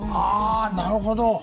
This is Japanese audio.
あなるほど！